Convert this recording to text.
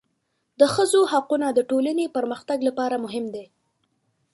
د ښځو حقونه د ټولنې پرمختګ لپاره مهم دي.